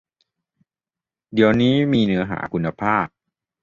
เดี๋ยวนี้มีเนื้อหาคุณภาพ